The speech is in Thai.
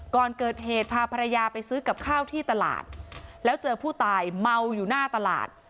ก่อนเกิดเหตุพาภรรยาไปซื้อกับข้าวที่ตลาดแล้วเจอผู้ตายเมาอยู่หน้าตลาด